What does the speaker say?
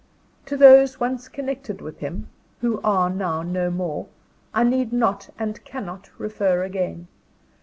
To those once connected with him, who are now no more, I need not and cannot refer again.